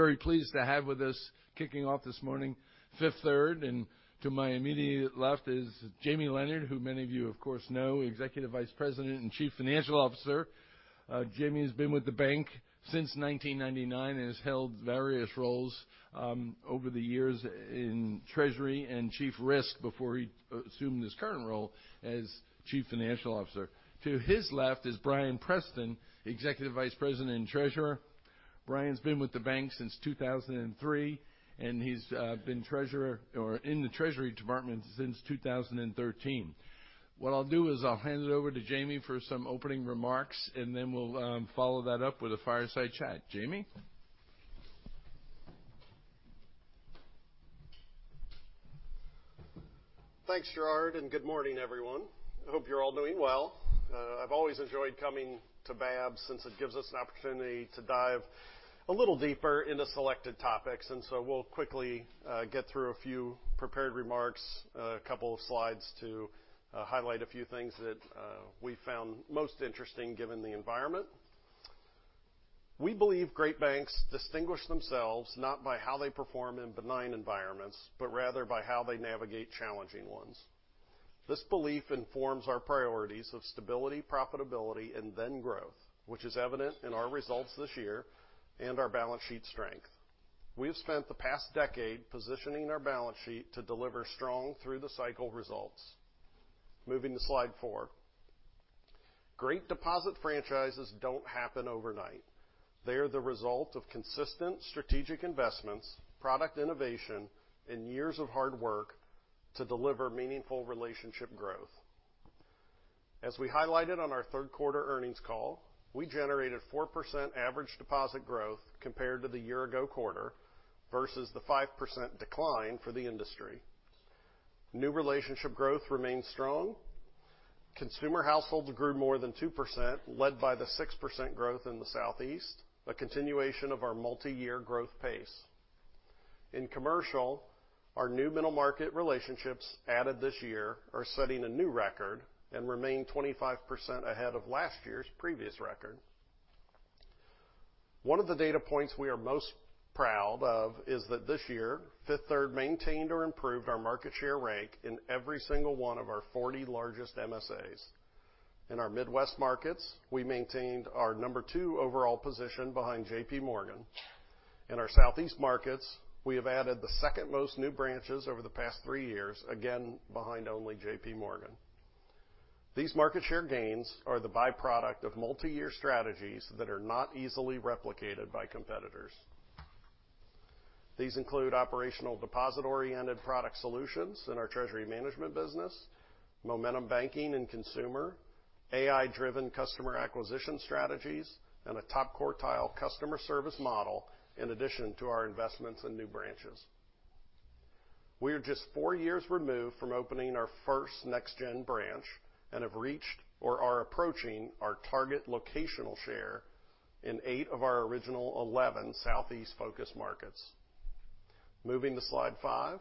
Very pleased to have with us, kicking off this morning, Fifth Third, and to my immediate left is Jamie Leonard, who many of you, of course, know, Executive Vice President and Chief Financial Officer. Jamie has been with the bank since 1999 and has held various roles over the years in Treasury and Chief Risk before he assumed his current role as Chief Financial Officer. To his left is Bryan Preston, Executive Vice President and Treasurer. Bryan's been with the bank since 2003, and he's been treasurer or in the treasury department since 2013. What I'll do is I'll hand it over to Jamie for some opening remarks, and then we'll follow that up with a fireside chat. Jamie? Thanks, Gerard, and good morning, everyone. I hope you're all doing well. I've always enjoyed coming to BAB since it gives us an opportunity to dive a little deeper into selected topics, and so we'll quickly get through a few prepared remarks, a couple of slides to highlight a few things that we found most interesting, given the environment. We believe great banks distinguish themselves not by how they perform in benign environments, but rather by how they navigate challenging ones. This belief informs our priorities of stability, profitability, and then growth, which is evident in our results this year and our balance sheet strength. We have spent the past decade positioning our balance sheet to deliver strong through-the-cycle results. Moving to slide four. Great deposit franchises don't happen overnight. They are the result of consistent strategic investments, product innovation, and years of hard work to deliver meaningful relationship growth. As we highlighted on our third quarter earnings call, we generated 4% average deposit growth compared to the year-ago quarter, versus the 5% decline for the industry. New relationship growth remains strong. Consumer households grew more than 2%, led by the 6% growth in the Southeast, a continuation of our multiyear growth pace. In commercial, our new middle market relationships added this year are setting a new record and remain 25% ahead of last year's previous record. One of the data points we are most proud of is that this year, Fifth Third maintained or improved our market share rank in every single one of our 40 largest MSAs. In our Midwest markets, we maintained our number two overall position behind JP Morgan. In our Southeast markets, we have added the second most new branches over the past three years, again, behind only JP Morgan. These market share gains are the byproduct of multiyear strategies that are not easily replicated by competitors. These include operational deposit-oriented product solutions in our treasury management business, momentum banking and consumer, AI-driven customer acquisition strategies, and a top-quartile customer service model, in addition to our investments in new branches. We are just four years removed from opening our first next-gen branch and have reached or are approaching our target locational share in eight of our original 11 Southeast focus markets. Moving to slide 5.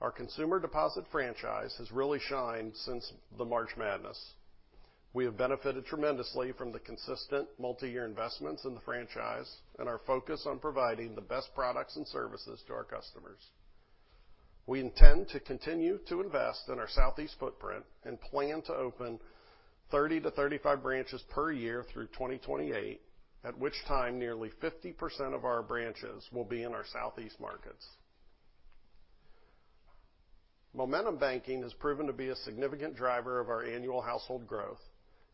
Our consumer deposit franchise has really shined since the March Madness. We have benefited tremendously from the consistent multiyear investments in the franchise and our focus on providing the best products and services to our customers. We intend to continue to invest in our Southeast footprint and plan to open 30-35 branches per year through 2028, at which time nearly 50% of our branches will be in our Southeast markets. Momentum Banking has proven to be a significant driver of our annual household growth,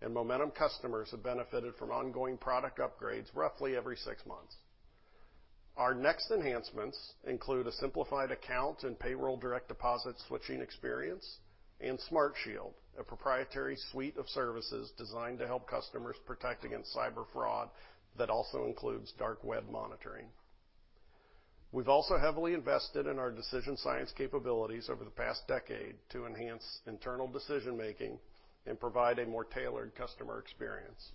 and Momentum Banking customers have benefited from ongoing product upgrades roughly every six months. Our next enhancements include a simplified account and payroll direct deposit switching experience and Smart Shield, a proprietary suite of services designed to help customers protect against cyber fraud that also includes dark web monitoring. We've also heavily invested in our decision science capabilities over the past decade to enhance internal decision-making and provide a more tailored customer experience.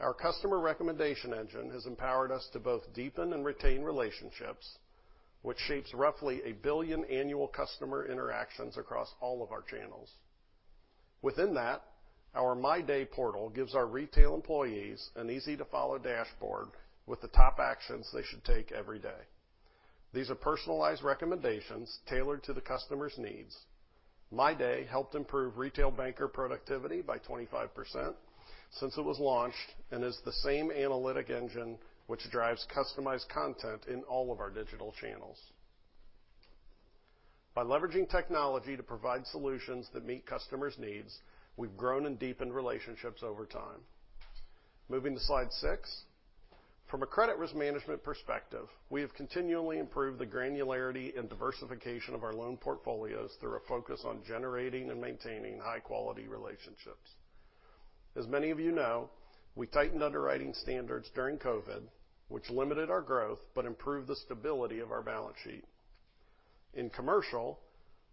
Our customer recommendation engine has empowered us to both deepen and retain relationships, which shapes roughly 1 billion annual customer interactions across all of our channels. Within that, our My Day portal gives our retail employees an easy-to-follow dashboard with the top actions they should take every day. These are personalized recommendations tailored to the customer's needs. My Day helped improve retail banker productivity by 25% since it was launched and is the same analytic engine which drives customized content in all of our digital channels. By leveraging technology to provide solutions that meet customers' needs, we've grown and deepened relationships over time. Moving to slide 6. From a credit risk management perspective, we have continually improved the granularity and diversification of our loan portfolios through a focus on generating and maintaining high-quality relationships. As many of you know, we tightened underwriting standards during COVID, which limited our growth but improved the stability of our balance sheet. In commercial,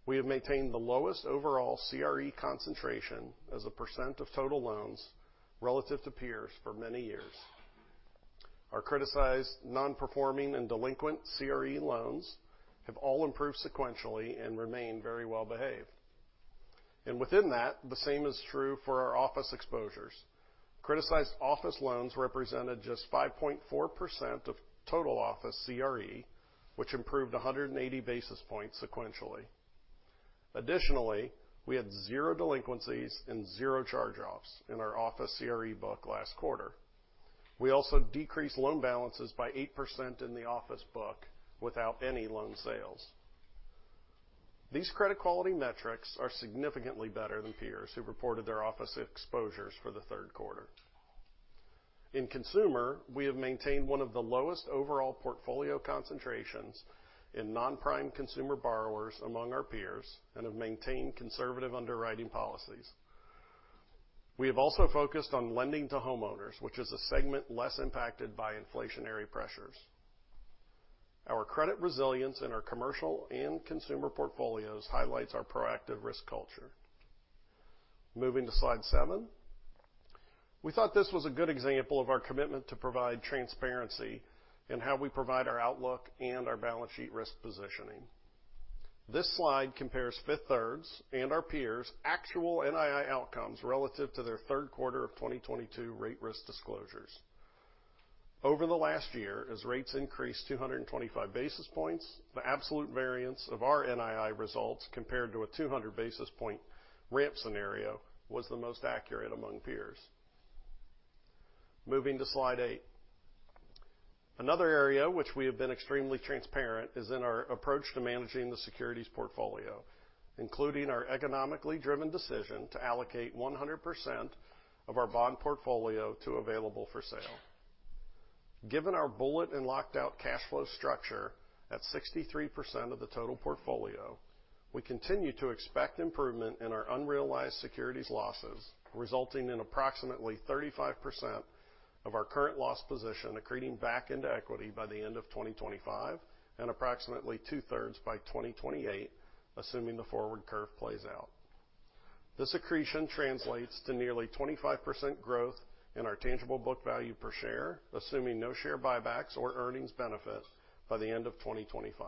we have maintained the lowest overall CRE concentration as a percent of total loans relative to peers for many years. Our criticized nonperforming and delinquent CRE loans have all improved sequentially and remain very well-behaved. And within that, the same is true for our office exposures. Criticized office loans represented just 5.4% of total office CRE, which improved 180 basis points sequentially. Additionally, we had zero delinquencies and zero charge-offs in our office CRE book last quarter. We also decreased loan balances by 8% in the office book without any loan sales. These credit quality metrics are significantly better than peers who reported their office exposures for the third quarter. In consumer, we have maintained one of the lowest overall portfolio concentrations in non-prime consumer borrowers among our peers and have maintained conservative underwriting policies. We have also focused on lending to homeowners, which is a segment less impacted by inflationary pressures. Our credit resilience in our commercial and consumer portfolios highlights our proactive risk culture. Moving to slide 7. We thought this was a good example of our commitment to provide transparency in how we provide our outlook and our balance sheet risk positioning. This slide compares Fifth Third's and our peers' actual NII outcomes relative to their third quarter of 2022 rate risk disclosures. Over the last year, as rates increased 225 basis points, the absolute variance of our NII results compared to a 200 basis point ramp scenario was the most accurate among peers. Moving to slide 8. Another area which we have been extremely transparent is in our approach to managing the securities portfolio, including our economically driven decision to allocate 100% of our bond portfolio to available-for-sale. Given our bullet and locked out cash flow structure at 63% of the total portfolio, we continue to expect improvement in our unrealized securities losses, resulting in approximately 35% of our current loss position accreting back into equity by the end of 2025 and approximately two-thirds by 2028, assuming the forward curve plays out. This accretion translates to nearly 25% growth in our tangible book value per share, assuming no share buybacks or earnings benefit by the end of 2025.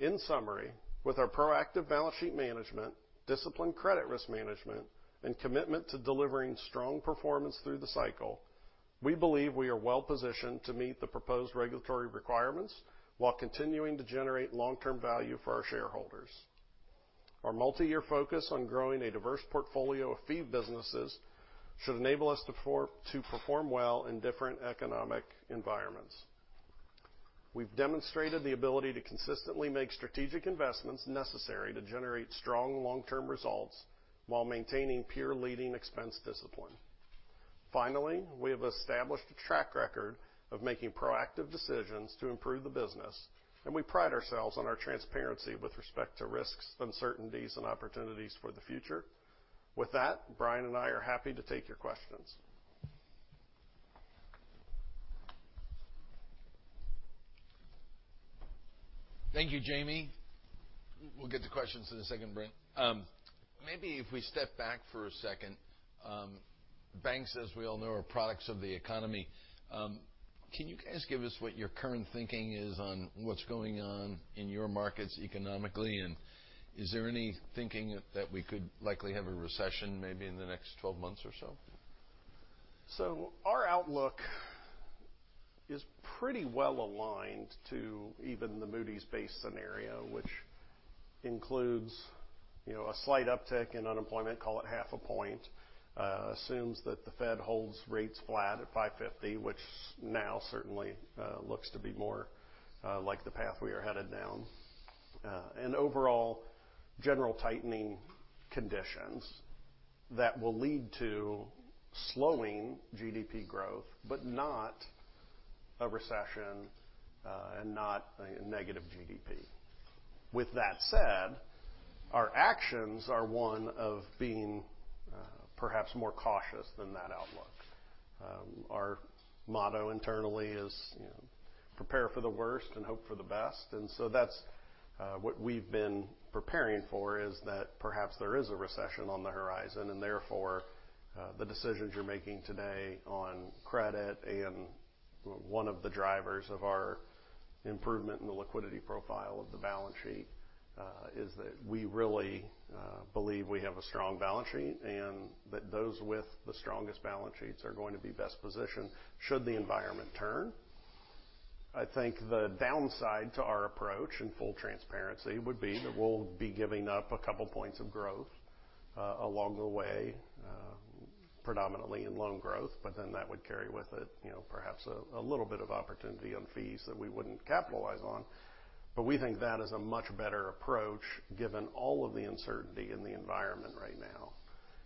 In summary, with our proactive balance sheet management, disciplined credit risk management, and commitment to delivering strong performance through the cycle, we believe we are well positioned to meet the proposed regulatory requirements while continuing to generate long-term value for our shareholders. Our multi-year focus on growing a diverse portfolio of fee businesses should enable us to perform well in different economic environments. We've demonstrated the ability to consistently make strategic investments necessary to generate strong long-term results while maintaining peer-leading expense discipline. Finally, we have established a track record of making proactive decisions to improve the business, and we pride ourselves on our transparency with respect to risks, uncertainties, and opportunities for the future. With that, Bryan and I are happy to take your questions. Thank you, Jamie. We'll get to questions in a second, Bryan. Maybe if we step back for a second, banks, as we all know, are products of the economy. Can you guys give us what your current thinking is on what's going on in your markets economically, and is there any thinking that we could likely have a recession maybe in the next 12 months or so? So our outlook is pretty well aligned to even the Moody's base scenario, which includes, you know, a slight uptick in unemployment, call it half a point, assumes that the Fed holds rates flat at 5.50, which now certainly looks to be more like the path we are headed down. And overall, general tightening conditions that will lead to slowing GDP growth, but not a recession, and not a negative GDP. With that said, our actions are one of being perhaps more cautious than that outlook. Our motto internally is, you know, "Prepare for the worst and hope for the best." And so that's what we've been preparing for, is that perhaps there is a recession on the horizon, and therefore, the decisions you're making today on credit and one of the drivers of our improvement in the liquidity profile of the balance sheet, is that we really believe we have a strong balance sheet and that those with the strongest balance sheets are going to be best positioned should the environment turn. I think the downside to our approach, in full transparency, would be that we'll be giving up a couple points of growth along the way, predominantly in loan growth, but then that would carry with it, you know, perhaps a little bit of opportunity on fees that we wouldn't capitalize on. But we think that is a much better approach, given all of the uncertainty in the environment right now.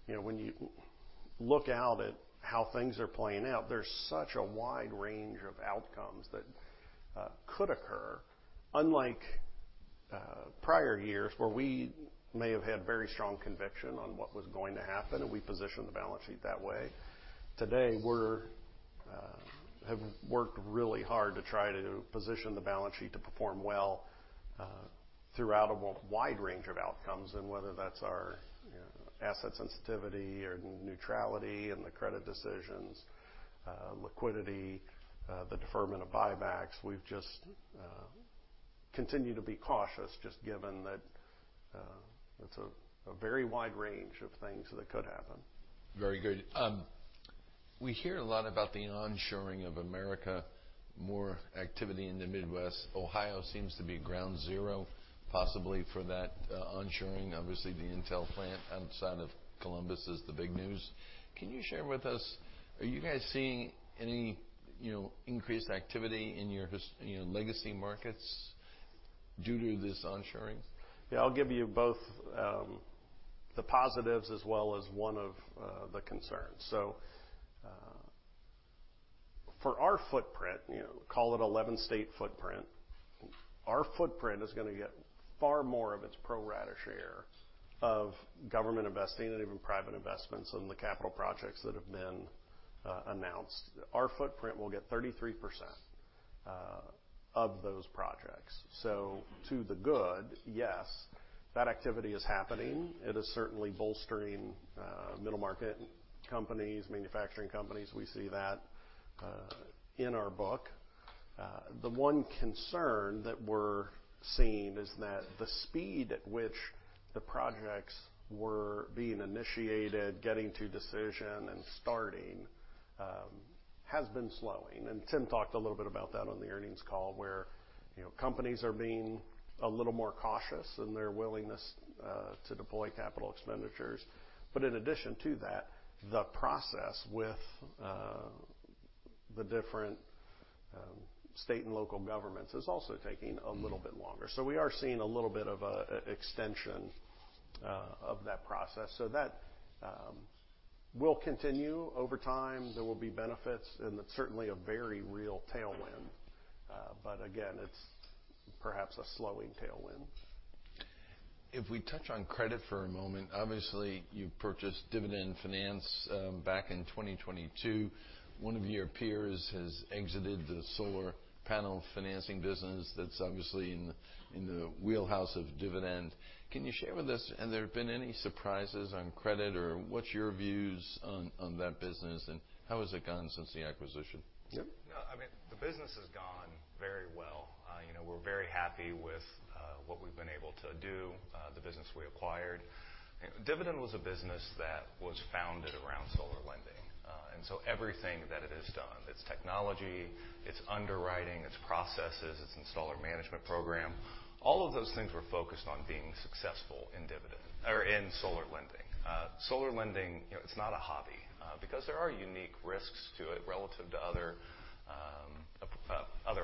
You know, when you look out at how things are playing out, there's such a wide range of outcomes that could occur, unlike prior years, where we may have had very strong conviction on what was going to happen, and we positioned the balance sheet that way. Today, we have worked really hard to try to position the balance sheet to perform well throughout a wide range of outcomes, and whether that's our asset sensitivity or neutrality and the credit decisions, liquidity, the deferment of buybacks. We've just continued to be cautious, just given that it's a very wide range of things that could happen. Very good. We hear a lot about the onshoring of America, more activity in the Midwest. Ohio seems to be ground zero, possibly for that, onshoring. Obviously, the Intel plant outside of Columbus is the big news. Can you share with us, are you guys seeing any, you know, increased activity in your, you know, legacy markets due to this onshoring? Yeah, I'll give you both the positives as well as one of the concerns. So, for our footprint, you know, call it 11-state footprint, our footprint is gonna get far more of its pro rata share of government investing and even private investments on the capital projects that have been announced. Our footprint will get 33% of those projects. So to the good, yes, that activity is happening. It is certainly bolstering middle-market companies, manufacturing companies. We see that in our book. The one concern that we're seeing is that the speed at which the projects were being initiated, getting to decision, and starting has been slowing. And Tim talked a little bit about that on the earnings call, where, you know, companies are being a little more cautious in their willingness to deploy capital expenditures. But in addition to that, the process with the different state and local governments is also taking a little bit longer. So we are seeing a little bit of an extension of that process. So that will continue over time. There will be benefits, and it's certainly a very real tailwind, but again, it's perhaps a slowing tailwind. If we touch on credit for a moment, obviously, you purchased Dividend Finance back in 2022. One of your peers has exited the solar panel financing business that's obviously in the wheelhouse of Dividend. Can you share with us, have there been any surprises on credit, or what's your views on that business, and how has it gone since the acquisition? Yep. No, I mean, the business has gone very well. You know, we're very happy with what we've been able to do, the business we acquired. Dividend was a business that was founded around solar lending. And so everything that it has done, its technology, its underwriting, its processes, its installer management program, all of those things were focused on being successful in Dividend, or in solar lending. Solar lending, you know, it's not a hobby, because there are unique risks to it relative to other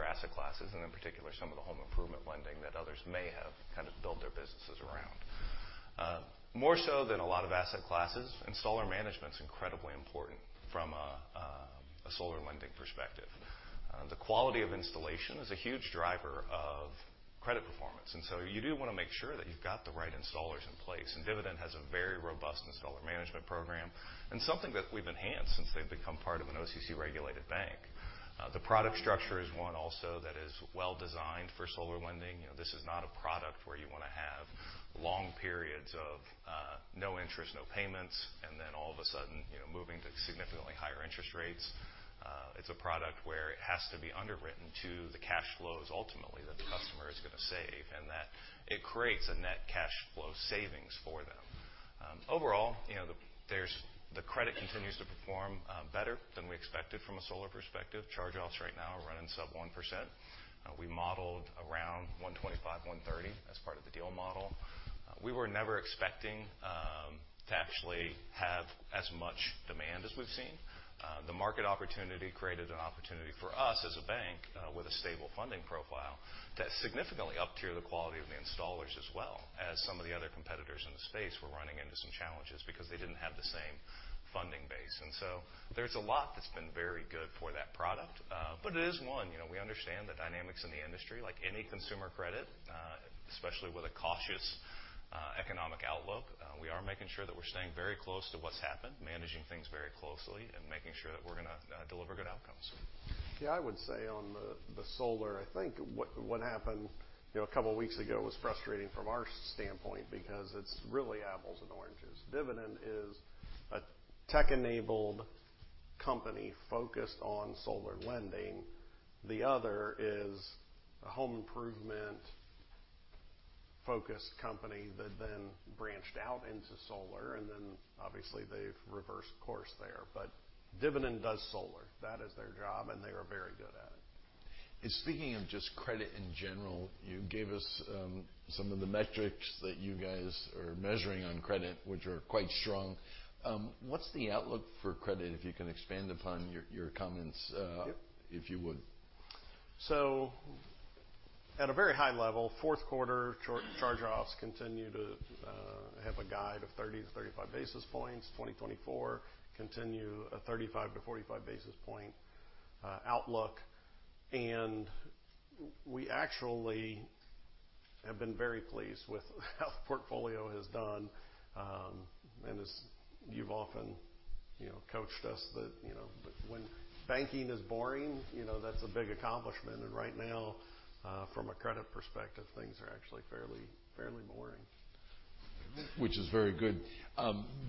asset classes, and in particular, some of the home improvement lending that others may have kind of built their businesses around. More so than a lot of asset classes, installer management's incredibly important from a solar lending perspective. The quality of installation is a huge driver of credit performance, and so you do want to make sure that you've got the right installers in place. And Dividend has a very robust installer management program and something that we've enhanced since they've become part of an OCC-regulated bank. The product structure is one also that is well-designed for solar lending. You know, this is not a product where you want to have long periods of no interest, no payments, and then all of a sudden, you know, moving to significantly higher interest rates. It's a product where it has to be underwritten to the cash flows ultimately that the customer is gonna save, and that it creates a net cash flow savings for them. Overall, you know, the credit continues to perform better than we expected from a solar perspective. Charge-offs right now are running sub 1%. We modeled around 1.25, 1.30 as part of the deal model. We were never expecting to actually have as much demand as we've seen. The market opportunity created an opportunity for us, as a bank, with a stable funding profile, to significantly uptier the quality of the installers as well as some of the other competitors in the space were running into some challenges because they didn't have the same funding base. And so there's a lot that's been very good for that product, but it is one. You know, we understand the dynamics in the industry, like any consumer credit, especially with a cautious economic outlook. We are making sure that we're staying very close to what's happened, managing things very closely, and making sure that we're gonna deliver good outcomes. Yeah, I would say on the solar, I think what happened, you know, a couple of weeks ago was frustrating from our standpoint because it's really apples and oranges. Dividend is a tech-enabled company focused on solar lending. The other is a home improvement-focused company that then branched out into solar, and then obviously, they've reversed course there. But Dividend does solar. That is their job, and they are very good at it. Speaking of just credit in general, you gave us some of the metrics that you guys are measuring on credit, which are quite strong. What's the outlook for credit, if you can expand upon your comments? Yep... if you would? So at a very high level, fourth quarter charge-offs continue to have a guide of 30-35 basis points. 2024 continues a 35-45 basis points outlook. And we actually have been very pleased with how the portfolio has done, and is... you've often, you know, coached us that, you know, when banking is boring, you know, that's a big accomplishment. And right now, from a credit perspective, things are actually fairly, fairly boring. Which is very good.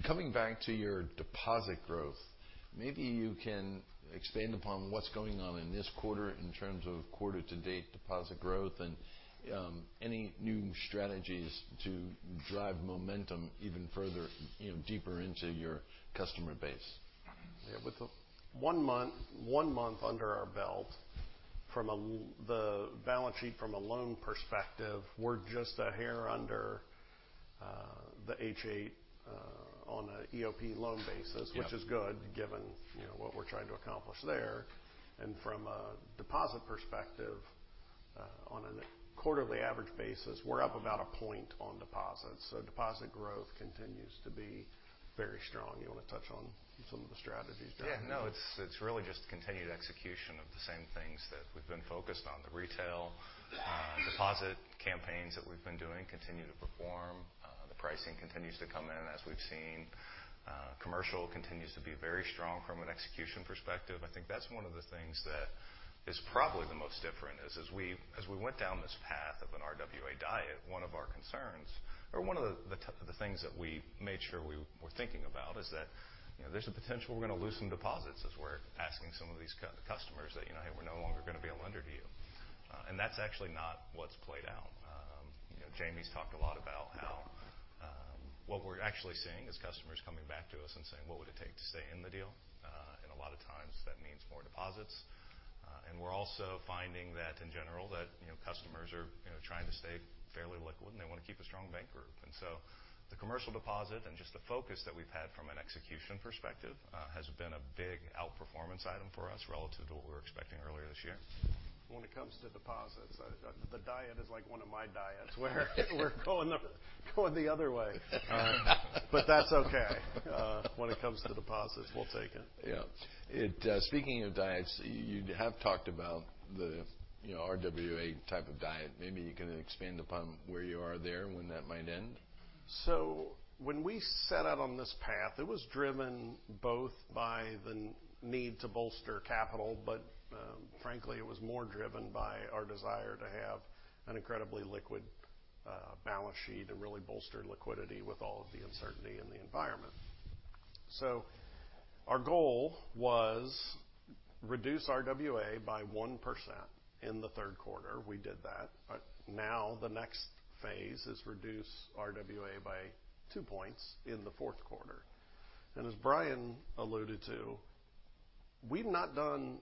Coming back to your deposit growth, maybe you can expand upon what's going on in this quarter in terms of quarter-to-date deposit growth and, any new strategies to drive momentum even further, you know, deeper into your customer base. Yeah, with one month under our belt, from the balance sheet from a loan perspective, we're just a hair under the H.8 on a EOP loan basis- Yep. - which is good, given, you know, what we're trying to accomplish there. And from a deposit perspective, on a quarterly average basis, we're up about a point on deposits. So deposit growth continues to be very strong. You want to touch on some of the strategies, Bryan? Yeah, no, it's, it's really just continued execution of the same things that we've been focused on. The retail deposit campaigns that we've been doing continue to perform. The pricing continues to come in as we've seen. Commercial continues to be very strong from an execution perspective. I think that's one of the things that is probably the most different, is as we, as we went down this path of an RWA diet, one of our concerns or one of the things that we made sure we were thinking about is that, you know, there's a potential we're going to lose some deposits as we're asking some of these customers that, "You know, hey, we're no longer going to be a lender to you." And that's actually not what's played out. You know, Jamie's talked a lot about how... What we're actually seeing is customers coming back to us and saying: "What would it take to stay in the deal?" And a lot of times that means more deposits. And we're also finding that in general, that, you know, customers are, you know, trying to stay fairly liquid, and they want to keep a strong bank group. And so the commercial deposit and just the focus that we've had from an execution perspective, has been a big outperformance item for us relative to what we were expecting earlier this year. When it comes to deposits, the diet is like one of my diets, where we're going the other way. But that's okay. When it comes to deposits, we'll take it. Yeah. Speaking of diets, you have talked about the, you know, RWA type of diet. Maybe you can expand upon where you are there and when that might end. So when we set out on this path, it was driven both by the need to bolster capital, but, frankly, it was more driven by our desire to have an incredibly liquid, balance sheet and really bolster liquidity with all of the uncertainty in the environment. So our goal was reduce RWA by 1% in the third quarter. We did that. But now the next phase is reduce RWA by two points in the fourth quarter. And as Bryan alluded to, we've not done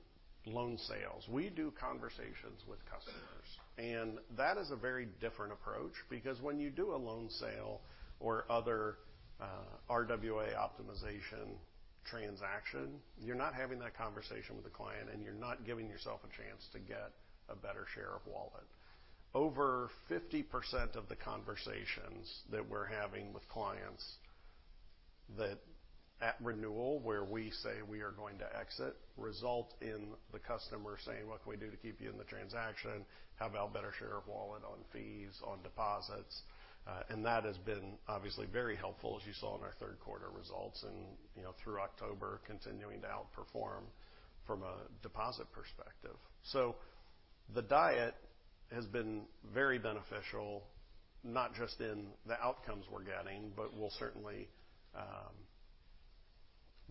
loan sales. We do conversations with customers, and that is a very different approach because when you do a loan sale or other, RWA optimization transaction, you're not having that conversation with the client, and you're not giving yourself a chance to get a better share of wallet. Over 50% of the conversations that we're having with clients that at renewal, where we say we are going to exit, result in the customer saying: "What can we do to keep you in the transaction? How about better share of wallet on fees, on deposits?" And that has been obviously very helpful, as you saw in our third quarter results and, you know, through October, continuing to outperform from a deposit perspective. So the diet has been very beneficial, not just in the outcomes we're getting, but we'll certainly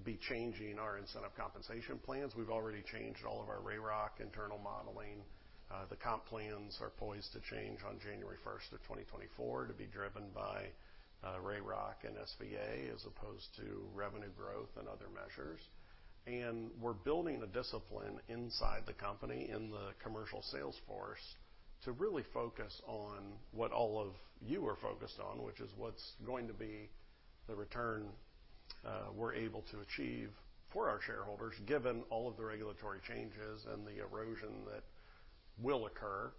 be changing our incentive compensation plans. We've already changed all of our Reg Roc internal modeling. The comp plans are poised to change on January 1, 2024 to be driven by Reg Roc and SVA, as opposed to revenue growth and other measures. And we're building the discipline inside the company, in the commercial sales force, to really focus on what all of you are focused on, which is what's going to be the return we're able to achieve for our shareholders, given all of the regulatory changes and the erosion that will occur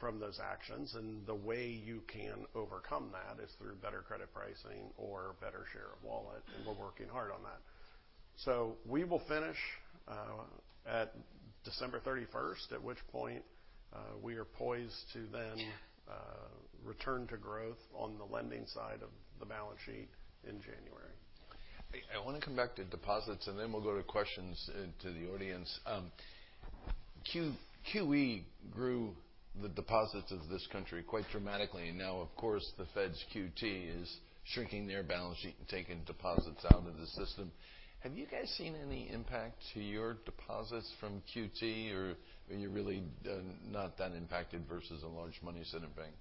from those actions. And the way you can overcome that is through better credit pricing or better share of wallet, and we're working hard on that. So we will finish at December thirty-first, at which point we are poised to then return to growth on the lending side of the balance sheet in January. I want to come back to deposits, and then we'll go to questions to the audience. QE grew the deposits of this country quite dramatically, and now, of course, the Fed's QT is shrinking their balance sheet and taking deposits out of the system. Have you guys seen any impact to your deposits from QT, or are you really not that impacted versus a large money center bank?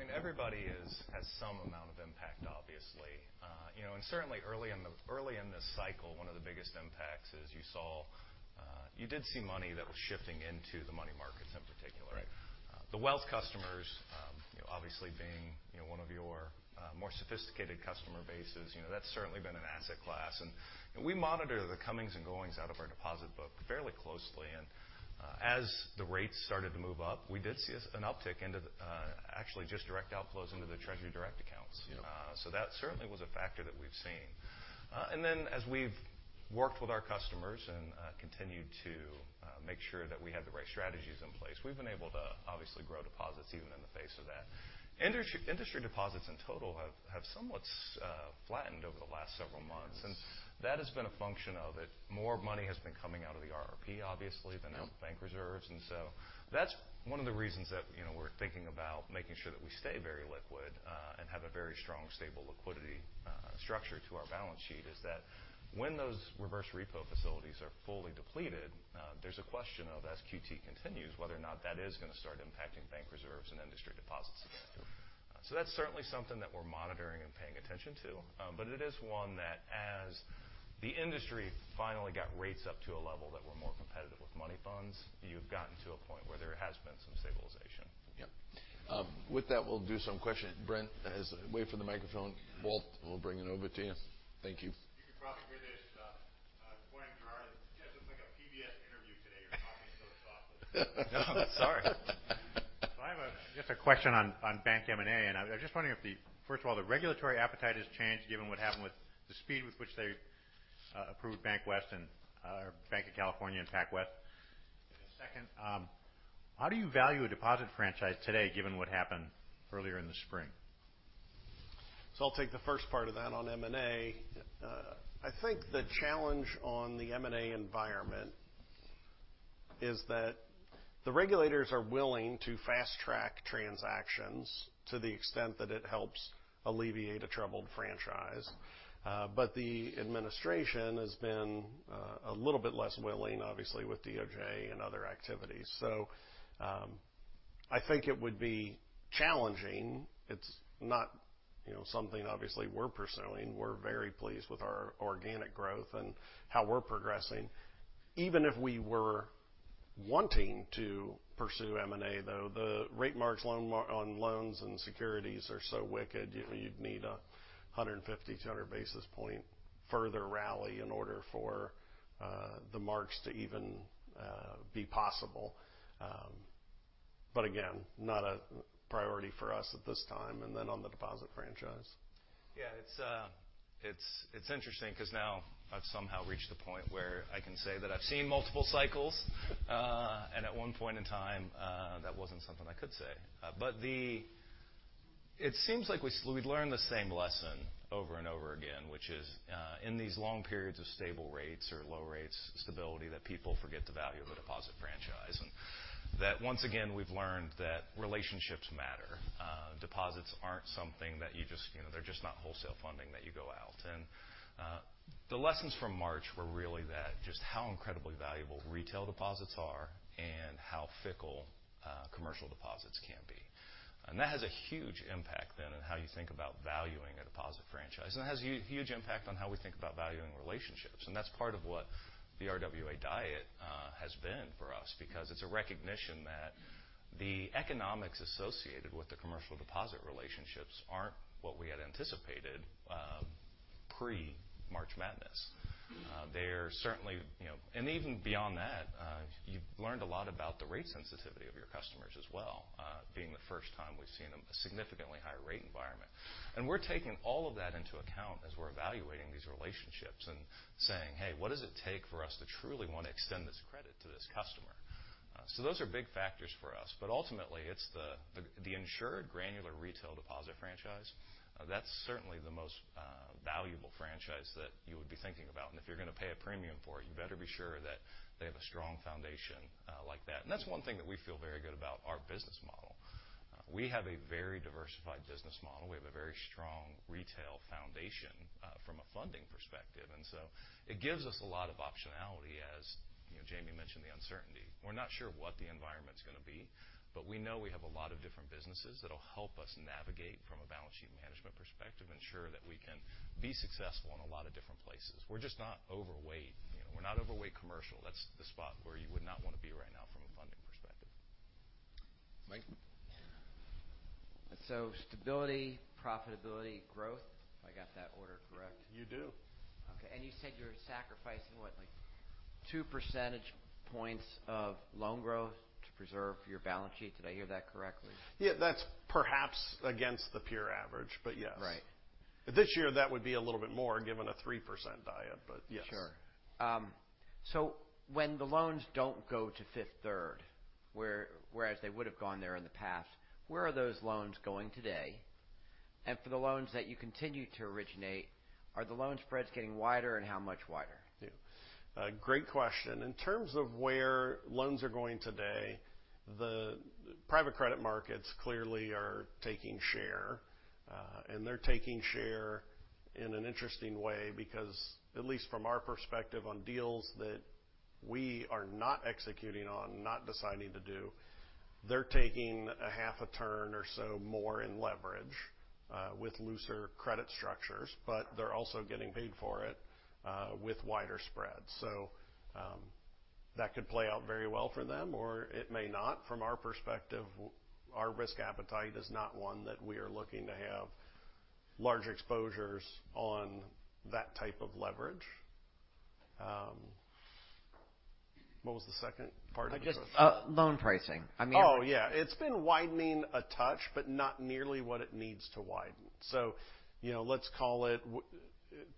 I mean, everybody has some amount of impact, obviously. You know, and certainly early in this cycle, one of the biggest impacts is you saw, you did see money that was shifting into the money markets in particular. Right. The wealth customers, you know, obviously being, you know, one of your more sophisticated customer bases, you know, that's certainly been an asset class. And we monitor the comings and goings out of our deposit book fairly closely, and as the rates started to move up, we did see an uptick into the, actually just direct outflows into the TreasuryDirect accounts. Yep. So that certainly was a factor that we've seen. And then as we've worked with our customers and continued to make sure that we had the right strategies in place, we've been able to obviously grow deposits even in the face of that. Industry deposits in total have somewhat flattened over the last several months. And that has been a function of it. More money has been coming out of the RRP, obviously- Yep. -than out of bank reserves. And so that's one of the reasons that, you know, we're thinking about making sure that we stay very liquid, and have a very strong, stable liquidity structure to our balance sheet, is that when those reverse repo facilities are fully depleted, there's a question of, as QT continues, whether or not that is going to start impacting bank reserves and industry deposits again. Sure. That's certainly something that we're monitoring and paying attention to, but it is one that as the industry finally got rates up to a level that we're more competitive with money funds, you've gotten to a point where there has been some stabilization. Yep. With that, we'll do some questions. Brent, as -- wait for the microphone. Walt, we'll bring it over to you. Thank you. You can probably hear this, pointing, Gerard. It's just like a PBS interview today. You're talking so softly. Oh, sorry. So I have just a question on bank M&A, and I was just wondering if the... First of all, the regulatory appetite has changed, given what happened with the speed with which they approved BankWest and, or Banc of California and PacWest. And then second, how do you value a deposit franchise today, given what happened earlier in the spring? So I'll take the first part of that on M&A. I think the challenge on the M&A environment is that the regulators are willing to fast-track transactions to the extent that it helps alleviate a troubled franchise. But the administration has been a little bit less willing, obviously, with DOJ and other activities. So, I think it would be challenging. It's not, you know, something obviously we're pursuing. We're very pleased with our organic growth and how we're progressing. Even if we were wanting to pursue M&A, though, the rate marks on loans and securities are so wicked, you, you'd need 150-200 basis point further rally in order for the marks to even be possible. But again, not a priority for us at this time. And then on the deposit franchise? Yeah, it's interesting because now I've somehow reached the point where I can say that I've seen multiple cycles. And at one point in time, that wasn't something I could say. But it seems like we learn the same lesson over and over again, which is, in these long periods of stable rates or low rates, stability, that people forget the value of a deposit franchise. And that, once again, we've learned that relationships matter. Deposits aren't something that you just, you know, they're just not wholesale funding, that you go out. And the lessons from March were really that just how incredibly valuable retail deposits are and how fickle commercial deposits can be. That has a huge impact then on how you think about valuing a deposit franchise, and it has a huge impact on how we think about valuing relationships. That's part of what the RWA diet has been for us, because it's a recognition that the economics associated with the commercial deposit relationships aren't what we had anticipated pre-March Madness. They're certainly, you know... Even beyond that, you've learned a lot about the rate sensitivity of your customers as well, being the first time we've seen a significantly higher rate environment. We're taking all of that into account as we're evaluating these relationships and saying: "Hey, what does it take for us to truly want to extend this credit to this customer?" So those are big factors for us. But ultimately, it's the insured granular retail deposit franchise that's certainly the most valuable franchise that you would be thinking about. And if you're going to pay a premium for it, you better be sure that they have a strong foundation like that. And that's one thing that we feel very good about our business model. We have a very diversified business model. We have a very strong retail foundation from a funding perspective, and so it gives us a lot of optionality as, you know, Jamie mentioned the uncertainty. We're not sure what the environment's going to be, but we know we have a lot of different businesses that'll help us navigate from a balance sheet management perspective, ensure that we can be successful in a lot of different places. We're just not overweight. You know, we're not overweight commercial. That's the spot where you would not want to be right now from a funding perspective. Mike? Stability, profitability, growth. Have I got that order correct? You do. Okay. You said you're sacrificing what? Like 2 percentage points of loan growth to preserve your balance sheet. Did I hear that correctly? Yeah, that's perhaps against the peer average, but yes. Right. This year, that would be a little bit more, given a 3% diet, but yes. Sure. So when the loans don't go to Fifth Third, whereas they would have gone there in the past, where are those loans going today? And for the loans that you continue to originate, are the loan spreads getting wider, and how much wider? Yeah. A great question. In terms of where loans are going today, the private credit markets clearly are taking share. And they're taking share in an interesting way because, at least from our perspective on deals that we are not executing on, not deciding to do, they're taking a half a turn or so more in leverage, with looser credit structures, but they're also getting paid for it, with wider spreads. So, that could play out very well for them, or it may not. From our perspective, our risk appetite is not one that we are looking to have large exposures on that type of leverage. What was the second part? Just, loan pricing. I mean- Oh, yeah. It's been widening a touch, but not nearly what it needs to widen. So, you know, let's call it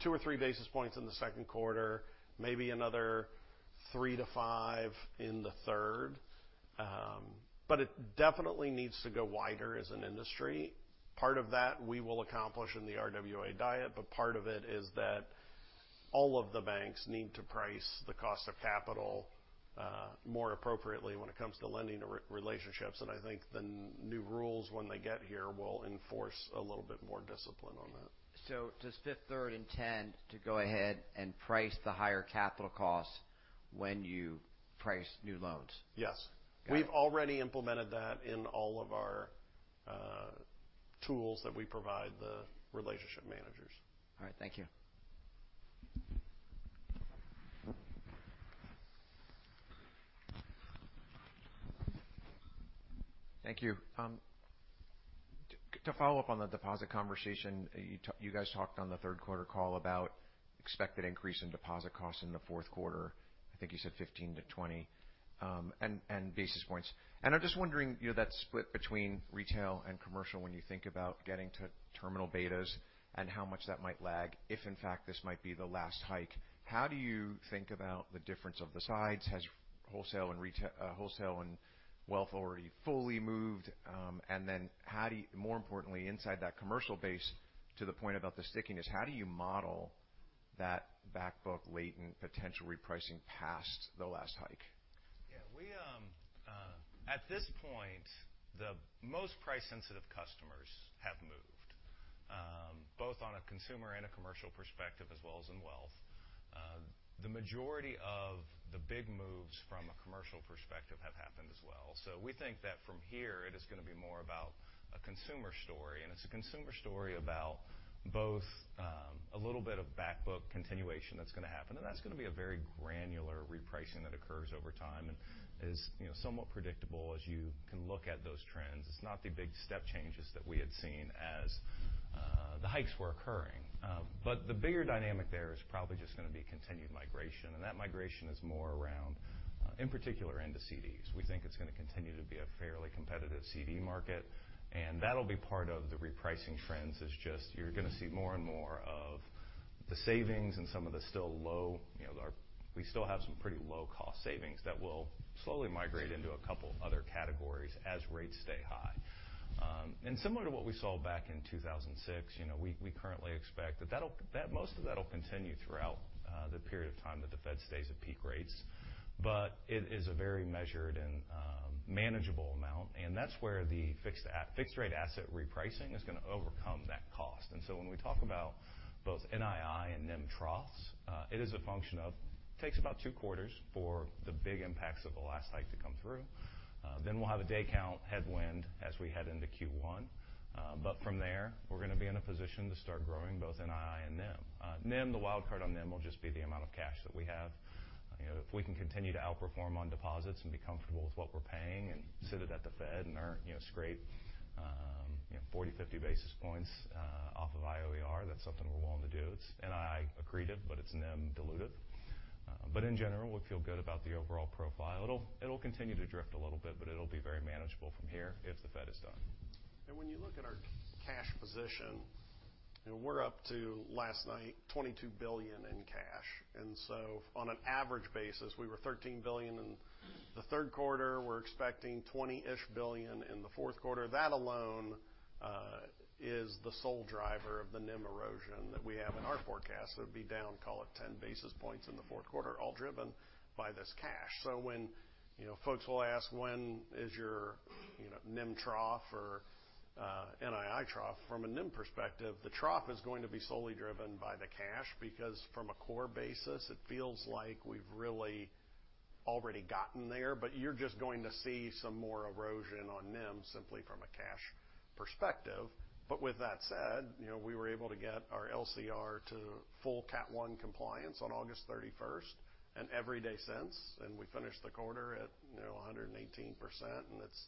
two or three basis points in the second quarter, maybe another 3-5 in the third. But it definitely needs to go wider as an industry. Part of that, we will accomplish in the RWA diet, but part of it is that all of the banks need to price the cost of capital more appropriately when it comes to lending relationships. And I think the new rules, when they get here, will enforce a little bit more discipline on that. Does Fifth Third intend to go ahead and price the higher capital costs when you price new loans? Yes. Got it. We've already implemented that in all of our tools that we provide the relationship managers. All right, thank you. Thank you. To follow up on the deposit conversation, you guys talked on the third quarter call about expected increase in deposit costs in the fourth quarter. I think you said 15-20 basis points. I'm just wondering, you know, that split between retail and commercial, when you think about getting to terminal betas and how much that might lag, if in fact, this might be the last hike, how do you think about the difference of the sides? Has wholesale and retail, wholesale and wealth already fully moved? And then how do you, more importantly, inside that commercial base, to the point about the stickiness, how do you model that backbook latent potential repricing past the last hike? Yeah, we, at this point, the most price-sensitive customers have moved, both on a consumer and a commercial perspective, as well as in wealth. The majority of the big moves from a commercial perspective have happened as well. So we think that from here, it is going to be more about a consumer story, and it's a consumer story about both, a little bit of backbook continuation that's going to happen, and that's going to be a very granular repricing that occurs over time and is, you know, somewhat predictable as you can look at those trends. It's not the big step changes that we had seen as, the hikes were occurring. But the bigger dynamic there is probably just going to be continued migration, and that migration is more around, in particular, into CDs. We think it's going to continue to be a fairly competitive CD market, and that'll be part of the repricing trends. It's just you're going to see more and more of the savings and some of the still low, you know, we still have some pretty low-cost savings that will slowly migrate into a couple other categories as rates stay high. And similar to what we saw back in 2006, you know, we currently expect that most of that will continue throughout the period of time that the Fed stays at peak rates. But it is a very measured and manageable amount, and that's where the fixed rate asset repricing is going to overcome that cost. When we talk about both NII and NIM troughs, it is a function of, takes about two quarters for the big impacts of the last hike to come through. Then we'll have a day count headwind as we head into Q1. But from there, we're going to be in a position to start growing both NII and NIM. NIM, the wild card on NIM will just be the amount of cash that we have. You know, if we can continue to outperform on deposits and be comfortable with what we're paying and sit it at the Fed and earn, you know, scrape, you know, 40-50 basis points off of IOER, that's something we're willing to do. It's NII accretive, but it's NIM dilutive. But in general, we feel good about the overall profile. It'll continue to drift a little bit, but it'll be very manageable from here if the Fed is done. When you look at our cash position, and we're up to, last night, $22 billion in cash. So on an average basis, we were $13 billion in the third quarter. We're expecting 20-ish billion in the fourth quarter. That alone is the sole driver of the NIM erosion that we have in our forecast. It would be down, call it, 10 basis points in the fourth quarter, all driven by this cash. So when, you know, folks will ask, "When is your, you know, NIM trough or NII trough?" From a NIM perspective, the trough is going to be solely driven by the cash, because from a core basis, it feels like we've really already gotten there, but you're just going to see some more erosion on NIM simply from a cash perspective. But with that said, you know, we were able to get our LCR to full Cat One compliance on August 31st and every day since, and we finished the quarter at, you know, 118%, and it's,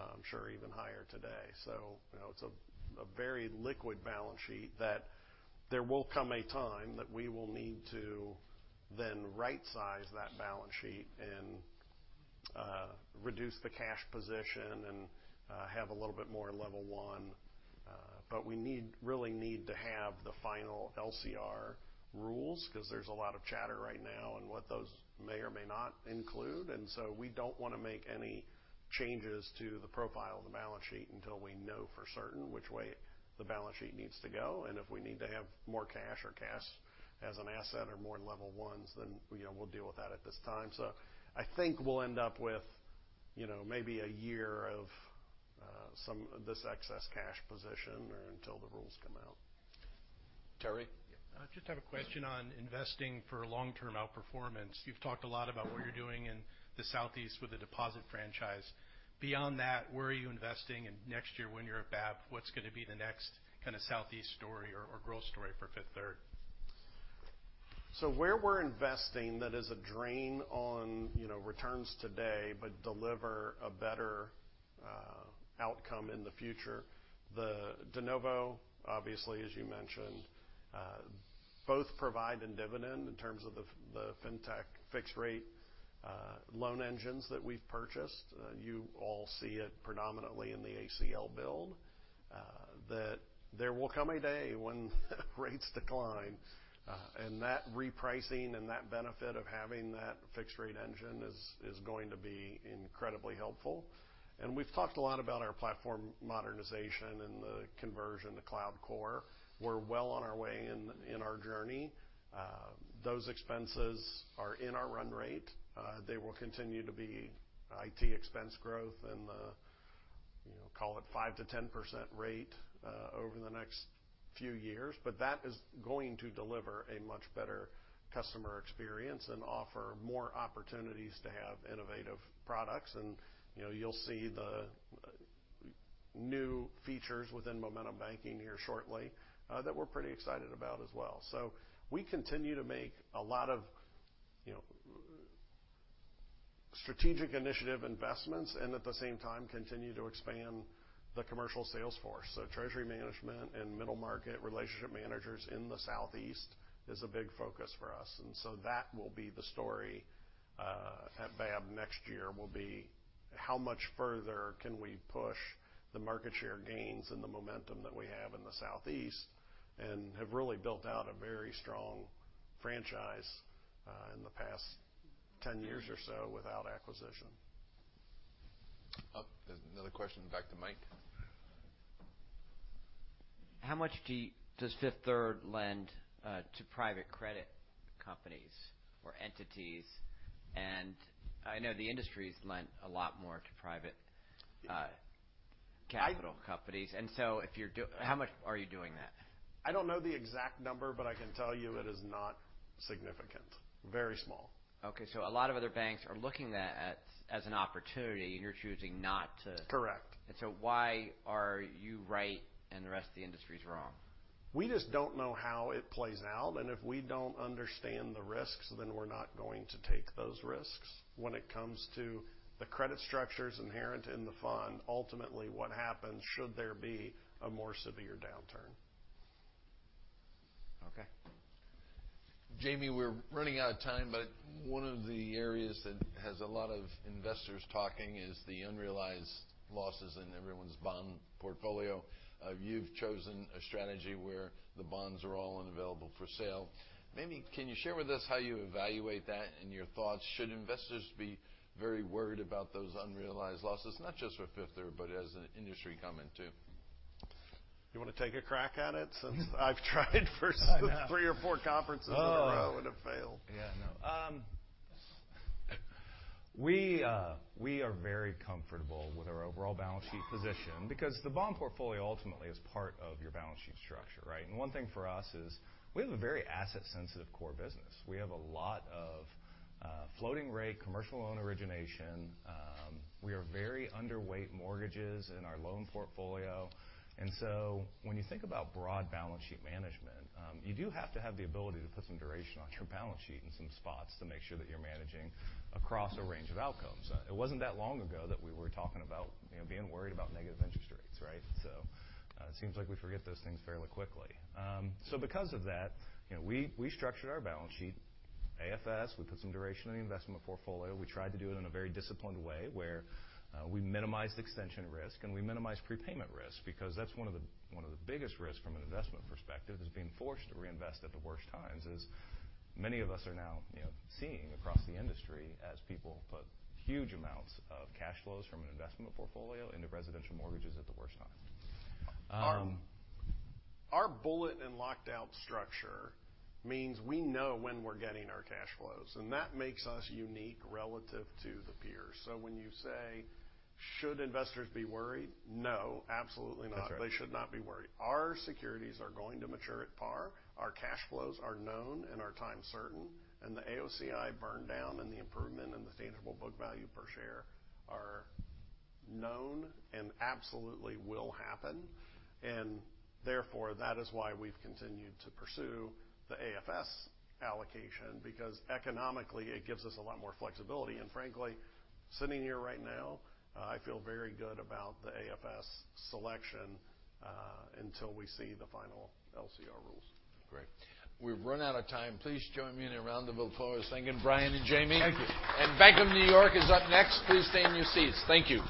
I'm sure, even higher today. So you know, it's a very liquid balance sheet that there will come a time that we will need to then rightsize that balance sheet and reduce the cash position and have a little bit more level one. But we need, really need to have the final LCR rules, because there's a lot of chatter right now on what those may or may not include. So we don't want to make any changes to the profile of the balance sheet until we know for certain which way the balance sheet needs to go, and if we need to have more cash or cash as an asset or more level ones, then, you know, we'll deal with that at this time. So I think we'll end up with, you know, maybe a year of some of this excess cash position or until the rules come out. Terry? I just have a question on investing for long-term outperformance. You've talked a lot about what you're doing in the Southeast with the deposit franchise. Beyond that, where are you investing? Next year, when you're at BAB, what's going to be the next kind of Southeast story or, or growth story for Fifth Third? So where we're investing, that is a drain on, you know, returns today, but deliver a better outcome in the future. The de novo, obviously, as you mentioned, both Provide and Dividend in terms of the, the fintech fixed rate loan engines that we've purchased. You all see it predominantly in the ACL build, that there will come a day when rates decline, and that repricing and that benefit of having that fixed rate engine is going to be incredibly helpful. And we've talked a lot about our platform modernization and the conversion to cloud core. We're well on our way in our journey. Those expenses are in our run rate. They will continue to be IT expense growth and the, you know, call it 5%-10% rate over the next few years. But that is going to deliver a much better customer experience and offer more opportunities to have innovative products. And, you know, you'll see the new features within Momentum Banking here shortly, that we're pretty excited about as well. So we continue to make a lot of, you know, strategic initiative investments and, at the same time, continue to expand the commercial sales force. So treasury management and middle market relationship managers in the Southeast is a big focus for us, and so that will be the story at BAB next year, will be how much further can we push the market share gains and the momentum that we have in the Southeast and have really built out a very strong franchise in the past 10 years or so without acquisition. Oh, there's another question. Back to Mike. How much does Fifth Third lend to private credit companies or entities? And I know the industry's lent a lot more to private, I- Capital companies, and so if you're. How much are you doing that? I don't know the exact number, but I can tell you it is not significant. Very small. Okay, so a lot of other banks are looking at that as an opportunity, and you're choosing not to? Correct. Why are you right and the rest of the industry is wrong? We just don't know how it plays out, and if we don't understand the risks, then we're not going to take those risks. When it comes to the credit structures inherent in the fund, ultimately, what happens should there be a more severe downturn? Okay. Jamie, we're running out of time, but one of the areas that has a lot of investors talking is the unrealized losses in everyone's bond portfolio. You've chosen a strategy where the bonds are all available for sale. Maybe can you share with us how you evaluate that and your thoughts? Should investors be very worried about those unrealized losses, not just for Fifth Third, but as an industry comment, too? You want to take a crack at it, since I've tried for- I know... 3 or 4 conferences in a row and have failed? Oh! Yeah, I know. We are very comfortable with our overall balance sheet position because the bond portfolio ultimately is part of your balance sheet structure, right? And one thing for us is we have a very asset-sensitive core business. We have a lot of floating rate commercial loan origination. We are very underweight mortgages in our loan portfolio. And so when you think about broad balance sheet management, you do have to have the ability to put some duration on your balance sheet in some spots to make sure that you're managing across a range of outcomes. It wasn't that long ago that we were talking about, you know, being worried about negative interest rates, right? So, it seems like we forget those things fairly quickly. So because of that, you know, we structured our balance sheet, AFS, we put some duration in the investment portfolio. We tried to do it in a very disciplined way, where we minimized extension risk, and we minimized prepayment risk, because that's one of the biggest risks from an investment perspective, is being forced to reinvest at the worst times, as many of us are now, you know, seeing across the industry as people put huge amounts of cash flows from an investment portfolio into residential mortgages at the worst time. Our bullet and locked out structure means we know when we're getting our cash flows, and that makes us unique relative to the peers. So when you say, "Should investors be worried?" No, absolutely not. That's right. They should not be worried. Our securities are going to mature at par. Our cash flows are known and are time certain, and the AOCI burn down and the improvement in the Tangible Book Value per share are known and absolutely will happen. And therefore, that is why we've continued to pursue the AFS allocation, because economically, it gives us a lot more flexibility. And frankly, sitting here right now, I feel very good about the AFS selection, until we see the final LCR rules. Great. We've run out of time. Please join me in a round of applause, thanking Bryan and Jamie. Thank you. Bank of New York is up next. Please stay in your seats. Thank you.